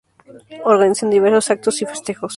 Organizan diversos actos y festejos.